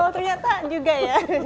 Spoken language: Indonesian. ternyata juga ya